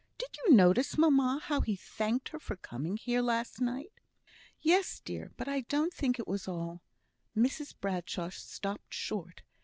Did you notice, mamma, how he thanked her for coming here last night?" "Yes, dear; but I don't think it was all " Mrs Bradshaw stopped short.